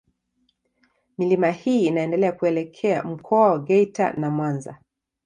Milima hii inaendelea kuelekea Mkoa wa Geita na Mwanza.